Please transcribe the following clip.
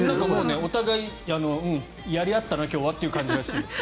お互いにやり合ったな今日はという感じらしいです。